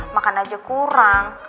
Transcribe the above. makan aja kurang